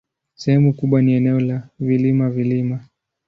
Sehemu kubwa ni eneo la vilima-vilima.